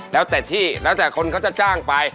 แล้วแต่ที่แล้วแต่คนเขาจะจ้างไป